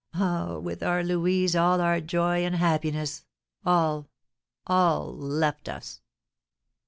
Ah, with our Louise all our joy and happiness all all left us!"